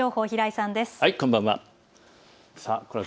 こんばんは。